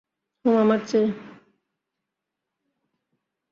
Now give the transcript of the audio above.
হুম, আমার চেয়ে।